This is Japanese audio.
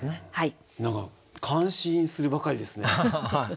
何か感心するばかりですね。